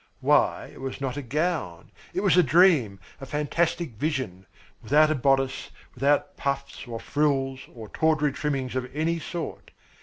Why, it was not a gown. It was a dream, a fantastic vision without a bodice, without puffs or frills or tawdry trimmings of any sort.